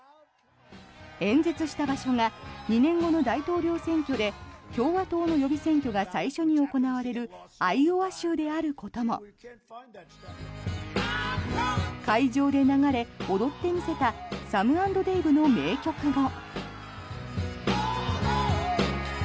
演説した場所が２年後の大統領選挙で共和党の予備選挙が最初に行われるアイオワ州であることも会場で流れ踊ってみせたサム＆デイヴの名曲も。